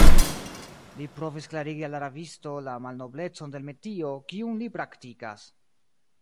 Li provis klarigi al la rabisto la malnoblecon de l' metio, kiun li praktikas.